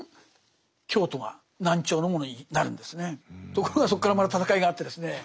ところがそこからまた戦いがあってですね